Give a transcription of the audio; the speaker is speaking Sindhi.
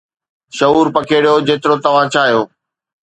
شعور پکيڙيو جيترو توھان چاھيو